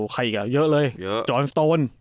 ใครอีกเยอะเลยจอนสโตน